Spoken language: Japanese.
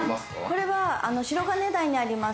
これは白金台にあります